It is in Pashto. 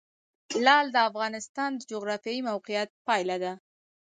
لعل د افغانستان د جغرافیایي موقیعت پایله ده.